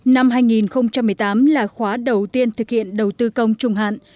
năm hai nghìn một mươi tám là khóa đầu tiên thực hiện đầu tư công trung hạn